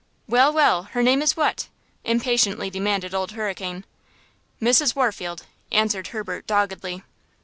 "Well, well, her name is what?" impatiently demanded Old Hurricane. "Mrs. Warfield!" answered Herbert, doggedly.